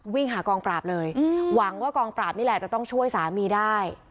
วิ่งหากองปราบเลยหวังว่ากองปราบนี่แหละจะต้องช่วยสามีได้